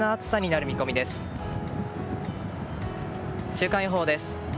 週間予報です。